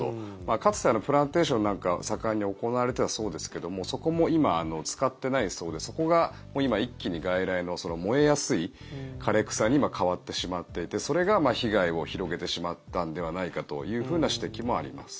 かつてプランテーションなんか盛んに行われていたそうですけどそこも今、使っていないそうでそこが今、一気に外来の燃えやすい枯れ草に変わってしまっていてそれが被害を広げてしまったのではないかというふうな指摘もあります。